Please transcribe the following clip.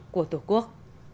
của tổ quốc